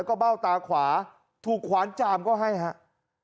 ก็เบ้าตาขวาถูกขวานจามก็ให้ครับ